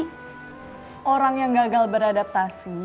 tapi orang yang gagal beradaptasi